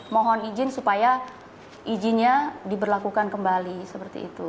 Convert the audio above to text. mohon izin supaya izinnya diberlakukan kembali seperti itu